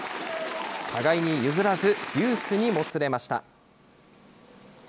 互いに譲らず、デュースにもつれました。